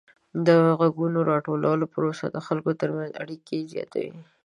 د غږونو راټولولو پروسه د خلکو ترمنځ اړیکه زیاتوي.